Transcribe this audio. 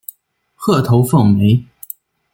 褐头凤鹛。